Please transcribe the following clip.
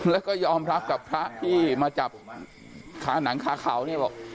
แล้วก็ยอมรับกับพระที่มาจับคาหนังคาเขาเนี่ยบอก